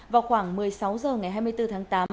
vào khoảng một mươi sáu h ngày hai mươi bốn tháng tám